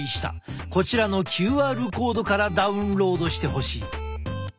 こちらのＱＲコードからダウンロードしてほしい。